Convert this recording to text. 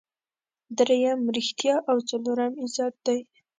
دریم ریښتیا او څلورم عزت دی.